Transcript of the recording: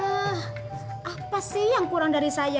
eh apa sih yang kurang dari saya ya